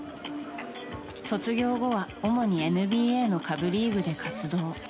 卒業後は主にＮＢＡの下部リーグで活動。